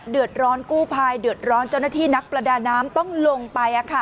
เดือดร้อนกู้ภัยเดือดร้อนเจ้าหน้าที่นักประดาน้ำต้องลงไป